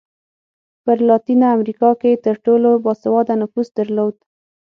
په لاتینه امریکا کې تر ټولو با سواده نفوس درلود.